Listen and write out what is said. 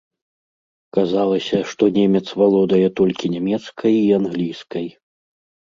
Казалася, што немец валодае толькі нямецкай і англійскай.